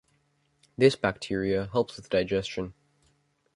This bacteria helps with digestion.